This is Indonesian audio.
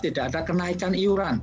tidak ada kenaikan iuran